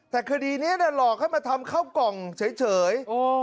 แต่คดีเนี้ยเนี้ยหลอกให้มาทำเข้ากล่องเฉยเฉยโอ้